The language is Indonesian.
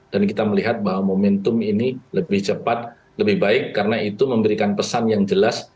dan kita melihat bahwa momentum ini lebih cepat lebih baik karena itu memberikan pesan yang jelas